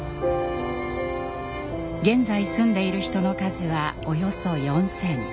現在住んでいる人の数はおよそ４，０００。